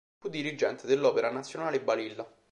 Fu dirigente dell'Opera Nazionale Balilla.